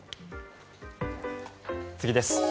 次です。